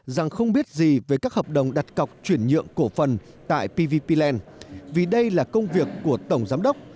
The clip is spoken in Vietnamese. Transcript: rằng không biết gì về các hợp đồng đặt cọc chuyển nhượng cổ phần tại pvp land vì đây là công việc của tổng giám đốc